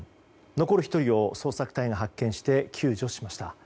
残る１人を捜索隊が発見して救助しました。